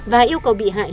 và yêu quý các bạn